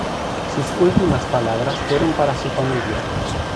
Sus últimas palabras fueron para su familia.